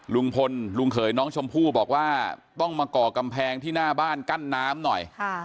ลุงพลลุงเขยน้องชมพู่บอกว่าต้องมาก่อกำแพงที่หน้าบ้านกั้นน้ำหน่อย